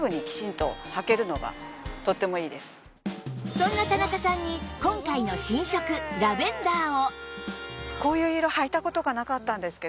そんな田中さんに今回の新色ラベンダーを